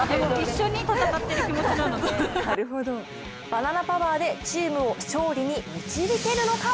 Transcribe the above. バナナパワーでチームを勝利に導けるのか！？